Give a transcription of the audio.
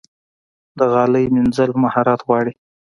د غالۍ مینځل مهارت غواړي.